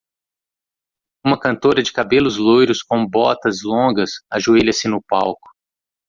Uma cantora de cabelos loiros com botas longas ajoelha-se no palco.